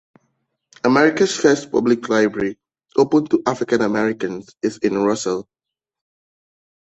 America's first public library open to African-Americans is in Russell.